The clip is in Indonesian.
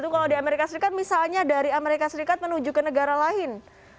kalau di amerika serikat misalnya dari amerika serikat menuju ke negara lain